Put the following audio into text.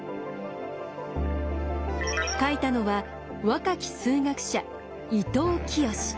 書いたのは若き数学者伊藤清。